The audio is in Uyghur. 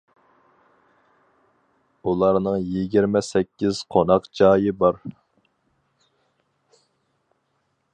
ئۇلارنىڭ يىگىرمە سەككىز قوناق جايى بار.